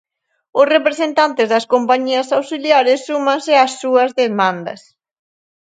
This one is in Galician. Os representantes das compañías auxiliares súmanse ás súas demandas.